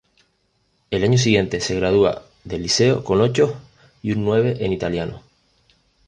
El año siguiente se gradúa del liceo con ochos y un nueve en italiano.